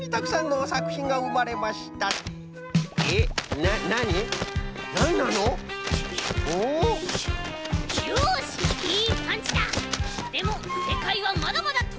でもせかいはまだまだとおいぞ！